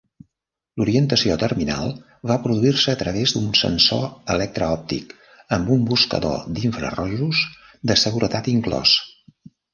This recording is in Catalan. L'orientació terminal va produir-se a través d'un sensor electre-òptic amb un buscador d'infrarojos de seguretat inclòs.